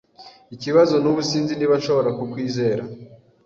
Ikibazo nubu sinzi niba nshobora kukwizera.